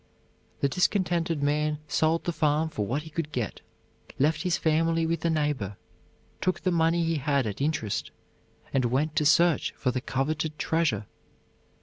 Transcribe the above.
The discontented man sold the farm for what he could get, left his family with a neighbor, took the money he had at interest, and went to search for the coveted treasure.